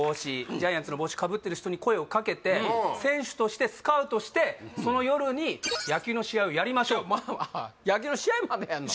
ジャイアンツの帽子被ってる人に声をかけて選手としてスカウトしてその夜に野球の試合をやりましょうと野球の試合までやんの？